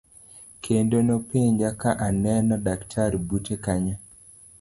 Kendo nopenja ka aneno daktari bute kanyo.